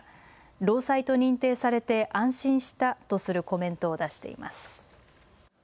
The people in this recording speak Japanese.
労災と認定されて安心したとするコメントを出しています。